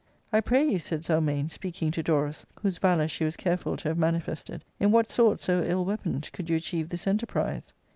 " I pray you," said Zelmane, speaking to Dorus, whose valour she was careful to have manifested, " in what sort, so ill weaponed, could you achieve this enterprise